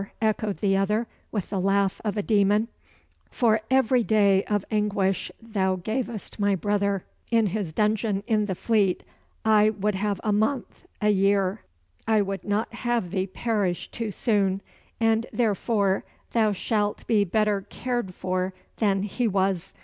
echoed the other, with the laugh of a demon, "for every day of anguish thou gavest my brother in his dungeon in the Fleet I would have a month a year, I would not have thee perish too soon, and therefore thou shalt be better cared for than he was.